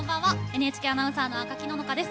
ＮＨＫアナウンサーの赤木野々花です。